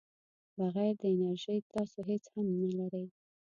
بغیر د انرژۍ تاسو هیڅ هم نه لرئ.